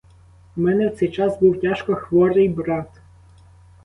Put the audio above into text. У мене в цей час був тяжко хворий брат.